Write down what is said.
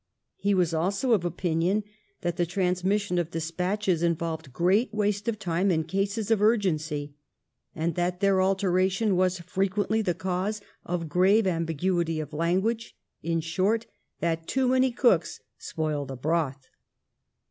He was also of opinion that the transmission of despatches involved great waste of time in cases of urgency, that their alteration was frequently the cause of grave ambiguity of language, in short, that too many cooks spoil the broth.